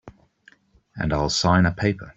And I'll sign a paper.